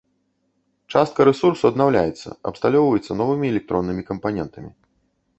Частка рэсурсу аднаўляецца, абсталёўваецца новымі электроннымі кампанентамі.